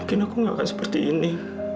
mungkin aku nggak akan seperti ini